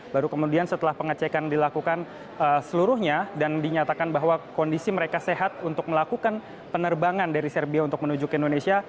baru kemudian setelah pengecekan dilakukan seluruhnya dan dinyatakan bahwa kondisi mereka sehat untuk melakukan penerbangan dari serbia untuk menuju ke indonesia